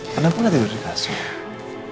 kenapa gak tidur di kasur